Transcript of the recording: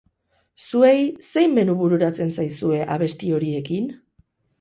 Zuei, zein menu bururatzen zaizue abesti horiekin?